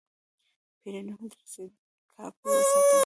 پیرودونکی د رسید کاپي وساته.